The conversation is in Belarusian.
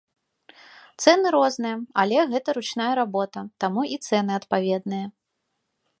Цэны розныя, але гэта ручная работа, таму і цэны адпаведныя.